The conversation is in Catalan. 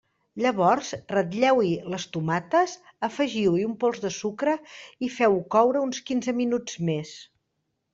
Llavors ratlleu-hi les tomates, afegiu-hi un pols de sucre i feu-ho coure uns quinze minuts més.